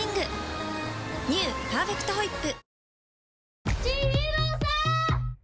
「パーフェクトホイップ」